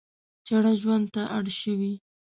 چړه ژوند ته اړ شوي.